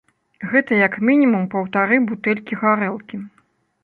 Гэта як мінімум паўтары бутэлькі гарэлкі.